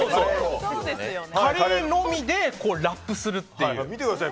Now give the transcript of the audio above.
カレーのみでラップするっていう。